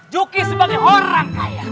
juki sebagai orang kaya